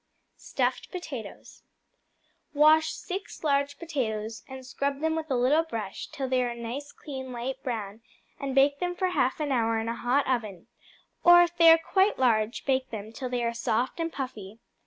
Stuffed Potatoes Wash six large potatoes and scrub them with a little brush, till they are a nice clean light brown, and bake them for half an hour in a hot oven; or, if they are quite large, bake them till they are soft and puffy.